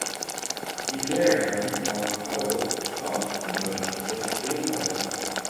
Die Klägerin warf Powell auch antwaltliches Fehlverhalten vor.